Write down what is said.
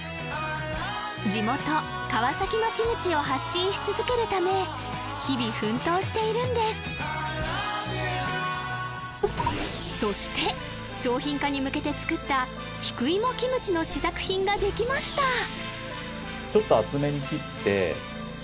地元川崎のキムチを発信し続けるため日々奮闘しているんですそして商品化に向けて作った菊芋キムチの試作品ができました